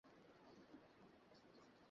আমি বিচার চেয়েছি ভগবানের কাছে।